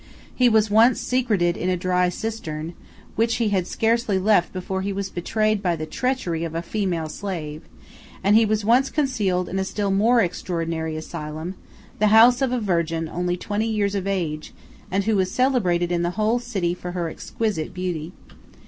He was once secreted in a dry cistern, which he had scarcely left before he was betrayed by the treachery of a female slave; 141 and he was once concealed in a still more extraordinary asylum, the house of a virgin, only twenty years of age, and who was celebrated in the whole city for her exquisite beauty.